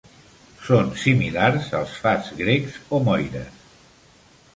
Són similars als fats grecs o moires.